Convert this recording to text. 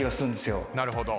なるほど。